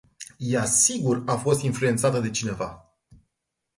Ea sigur a fost influentata de cineva.